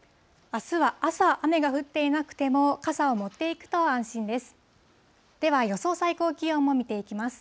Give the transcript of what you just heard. あすは朝、雨が降っていなくても、傘を持っていくと安心です。